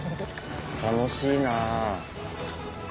楽しいな。